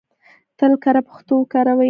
تل کره پښتو وکاروئ!